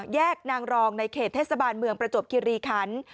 แยกนางรองในเขตเทศบาลเมืองประจวบคิริคัน